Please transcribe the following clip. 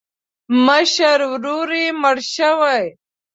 مشر ورور یې مړ شوی.